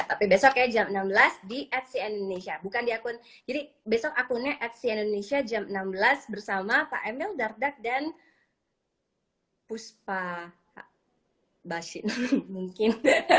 tapi besok ya jam enam belas di fcn indonesia bukan di akun jadi besok akunnya fc indonesia jam enam belas bersama pak emil dardak dan puspa basin mungkin